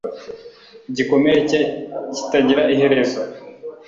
Igikomere cye kitagira iherezo